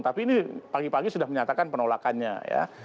tapi ini pagi pagi sudah menyatakan penolakannya ya